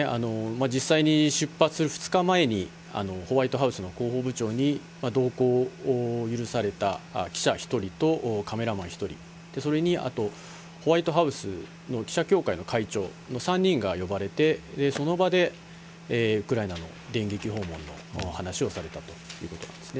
実際に出発する２日前に、ホワイトハウスの広報部長に同行を許された記者１人と、カメラマン１人、それにホワイトハウスの記者協会の会長、３人が呼ばれて、その場でウクライナの電撃訪問の話をされたということなんですね。